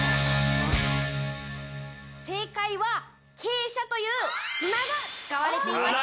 正解は硅砂という砂が使われていました。